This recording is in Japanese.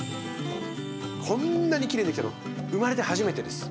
こんなにきれいにできたの生まれて初めてです。